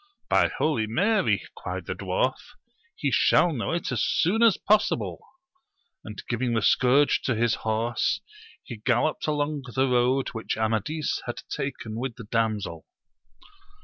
By Holy Mary, cried the dwarf, he shall know it as soon as possible ! and giving the scourge to his horse, he galloped along the road which Amadis had taken with the damsel.